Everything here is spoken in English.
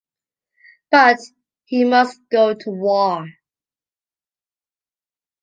But he must go to war.